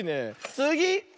つぎ！